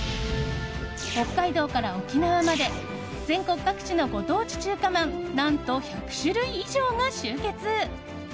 北海道から沖縄まで全国各地のご当地中華まん何と１００種類以上が集結。